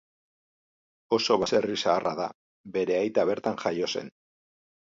Oso baserri zaharra da, bere aita bertan jaio zen.